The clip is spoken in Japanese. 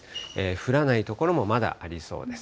降らない所もまだありそうです。